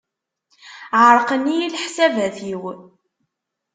Ɛeṛṛqen-iyi leḥsabat-iw.